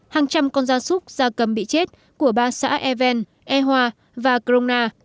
hàng trăm con da súc da cầm bị chết của ba xã even ehoa và krona